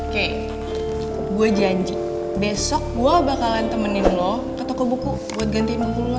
kek gue janji besok gue bakalan temenin lo ke toko buku buat gantiin nunggu lo